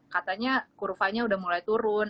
katanya kurvanya udah mulai turun